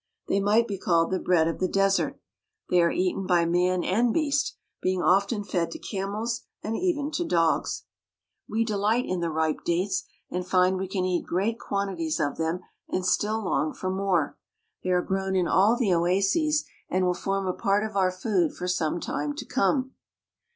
They might be called the bread of the desert. They are eaten by man and beast, being often fed to camels and even to dogs. We delight in the ripe dates and find we can eat great quantities of them and still long for more. They are grown in all the oases and will form a part of our food for some time to come.